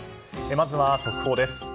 まずは速報です。